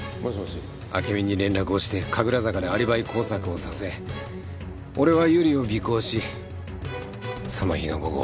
暁美に連絡をして神楽坂でアリバイ工作をさせ俺は百合を尾行しその日の午後。